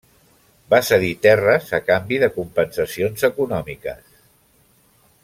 Va cedir terres a canvi de compensacions econòmiques.